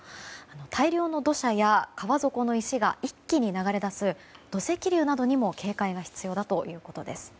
大量の土砂や川底の石が一気に流れ出す土石流などにも警戒が必要だということです。